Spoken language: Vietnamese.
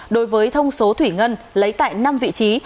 đối với thông số thủy ngân lấy tại năm vị trí